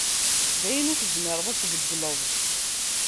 D ayen ur tezmireḍ ad tbeddleḍ.